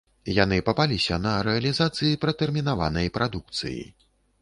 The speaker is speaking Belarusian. Яны папаліся на рэалізацыі пратэрмінаванай прадукцыі.